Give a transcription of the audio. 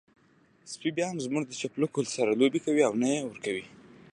سپی بيا هم زموږ د چپلکو سره لوبې کوي او نه يې ورکوي.